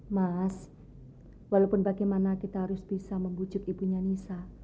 mas walaupun bagaimana kita harus bisa membujuk ibunya nisa